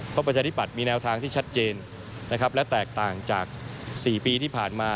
เพราะประชาธิบัตย์มีแนวทางที่ชัดเจนนะครับและแตกต่างจาก๔ปีที่ผ่านมา